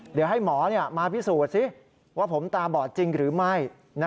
เดี๋ยวให้หมอมาพิสูจน์สิว่าผมตาบอดจริงหรือไม่